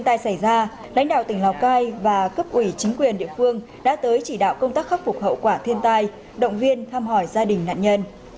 hãy đăng ký kênh để ủng hộ kênh của chúng mình nhé